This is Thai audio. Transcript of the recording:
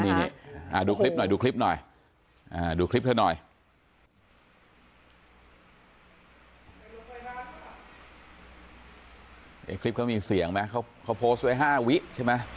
ไอ้คลิปก็มีเสียงไหมเค้าโพสต์ไว้๕วิใช่ไหม